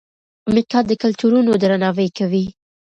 میکا د کلتورونو درناوی کوي.